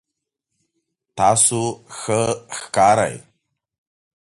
تاسو ښه ښکارئ